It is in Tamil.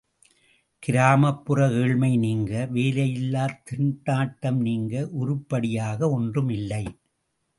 கிராமப்புற ஏழ்மை நீங்க, வேலையில்லாத் திண்டாட்டம் நீங்க உருப்படியாக ஒன்றும் இல்லை!